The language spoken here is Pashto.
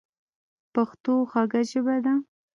پښتو خوږه ژبه ده